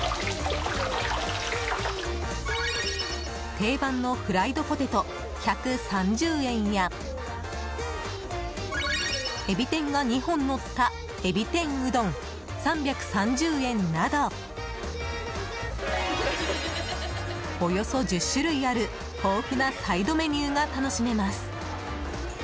定番のフライドポテト１３０円やえび天が２本のったえび天うどん、３３０円などおよそ１０種類ある、豊富なサイドメニューが楽しめます。